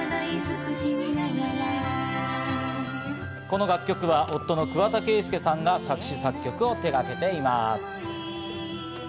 この楽曲は夫の桑田佳祐さんが作詞・作曲を手がけています。